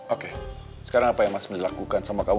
oke sekarang apa yang mas mau dilakukan sama kamu